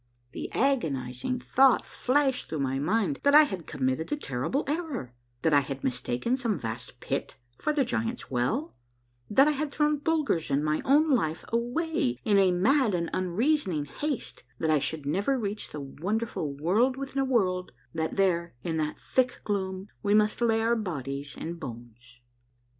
The agonizing thought flashed through my mind that I had com mitted a terrible error — that I had mistaken some vast pit for the Giants' Well, that I had thrown Bulger's and my own life away in mad and unreasoning haste, that I should never reach the wonderful World within a World, that there in that thick gloom must we lay our bodies and bones.